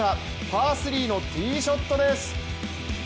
パー３のティーショットです。